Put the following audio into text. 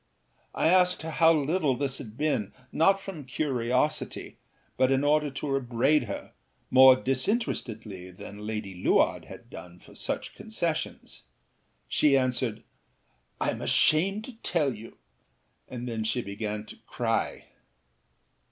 â I asked her how little this had been, not from curiosity, but in order to upbraid her, more disinterestedly than Lady Luard had done, for such concessions. She answered âIâm ashamed to tell you,â and then she began to cry.